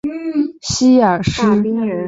希尔施斯泰因是德国萨克森州的一个市镇。